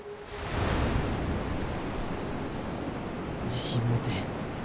自信持て